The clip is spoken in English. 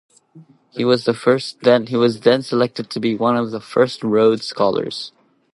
He was then selected to be one of the first Rhodes Scholars.